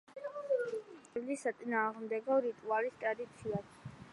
არსებობს წყევლის საწინააღმდეგო რიტუალის ტრადიციაც.